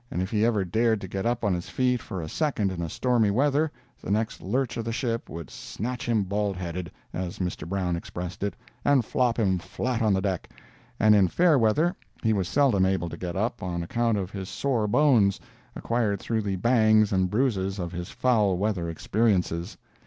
If he ever dared to get up on his feet for a second in stormy weather, the next lurch of the ship would "snatch him bald headed," as Mr. Brown expressed it, and flop him flat on the deck; and in fair weather he was seldom able to get up, on account of his sore bones, acquired through the bangs and bruises of his foul weather experiences.